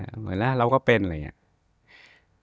เหมือนแล้วเราก็เป็นอะไรอย่างนี้